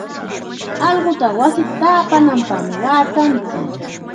Allqutaqa wasita taapananpaqmi waatanchik.